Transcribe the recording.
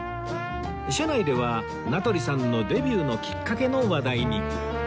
車内では名取さんのデビューのきっかけの話題に